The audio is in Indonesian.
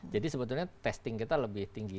jadi sebetulnya testing kita lebih tinggi